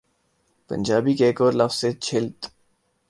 پنجابی کا ایک اور لفظ ہے، ' جھلت‘۔